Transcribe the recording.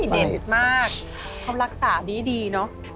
เด็ดมากเขารักษาดีเนอะ